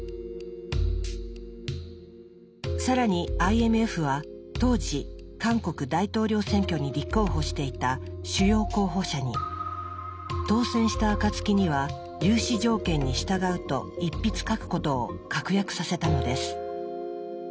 更にＩＭＦは当時韓国大統領選挙に立候補していた主要候補者に「当選したあかつきには融資条件に従うと一筆書く」ことを確約させたのです。